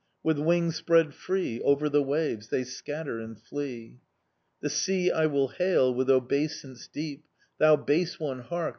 With wings spread free, Over the waves They scatter and flee! The sea I will hail With obeisance deep: "Thou base one, hark!